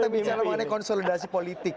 kita bicara mengenai konsolidasi politik